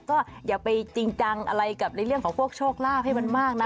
ก็อย่าไปจริงจังอะไรกับในเรื่องของพวกโชคลาภให้มันมากนะ